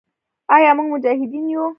آیا موږ مجاهدین یو؟